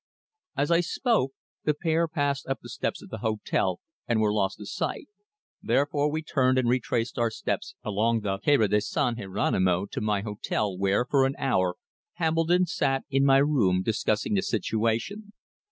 As I spoke the pair passed up the steps of the hotel and were lost to sight, therefore we turned and retraced our steps along the wide Carrera de San Jeronimo to my hotel where, for an hour, Hambledon sat in my room discussing the situation.